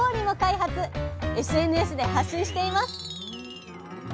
ＳＮＳで発信しています。